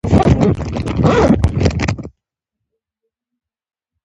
مخکینیو غړو او د هغوی کورنیو تایید ته اړتیا نه لرله